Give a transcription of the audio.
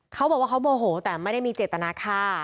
เขาบอกว่าเขาโมโหแต่ไม่ได้มีเจตนาฆ่า